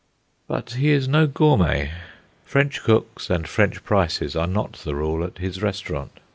But he is no gourmet. French cooks and French prices are not the rule at his restaurant.